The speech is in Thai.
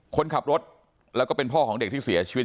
คนขับรถแล้วก็เป็นพ่อของเด็กที่เสียชีวิต